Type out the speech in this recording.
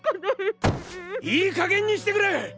いいかげんにしてくれ！